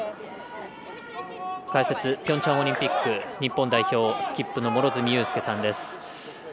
解説、ピョンチャンオリンピック日本代表スキップの両角友佑さんです。